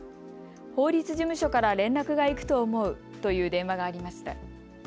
法律事務所から連絡が行くと思うという電話がありました。